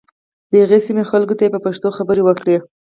د هغې سیمې خلکو ته یې په پښتو خبرې وکړې.